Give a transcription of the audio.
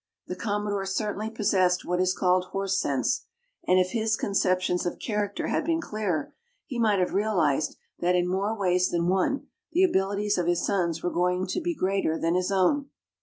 The Commodore certainly possessed what is called horse sense, and if his conceptions of character had been clearer, he might have realized that in more ways than one the abilities of his sons were going to be greater than his own.